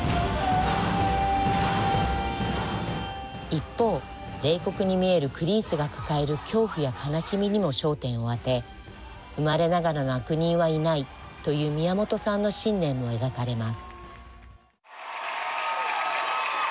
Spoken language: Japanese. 一方、冷酷に見えるクリースが抱える恐怖や悲しみにも焦点を当て生まれながらの悪人はいないという宮本さんの信念も描かれます。